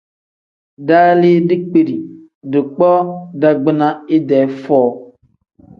Daalii dikpiiri, dikpoo dagbina didee foo.